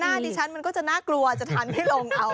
ดิฉันมันก็จะน่ากลัวจะทานไม่ลงเอา